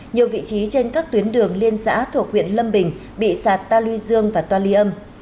nhiều vị trí trên các tuyến đường liên xã thuộc huyện lâm bình bị sạt ta lưu dương và toa ly âm